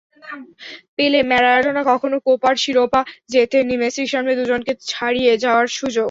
পেলে, ম্যারাডোনা কখনো কোপার শিরোপা জেতেননি, মেসির সামনে দুজনকে ছাড়িয়ে যাওয়ার সুযোগ।